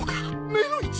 目の位置！